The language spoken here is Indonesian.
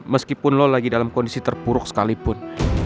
meskipun lo lagi dalam kondisi terpuruk sekalipun